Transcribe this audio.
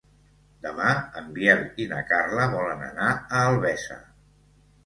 Demà en Biel i na Carla volen anar a Albesa.